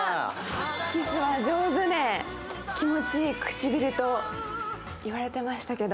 キスが上手で気持ちいい唇と言われてましたけど。